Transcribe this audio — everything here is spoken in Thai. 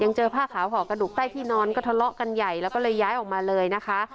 เจอผ้าขาวห่อกระดูกใต้ที่นอนก็ทะเลาะกันใหญ่แล้วก็เลยย้ายออกมาเลยนะคะ